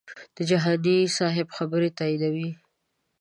د جهاني صاحب خبرې تاییدوي.